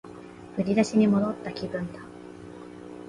振り出しに戻った気分だ